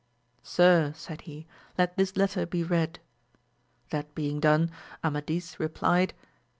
Sir, said he, let this letter be read. That being done, Amadis replied.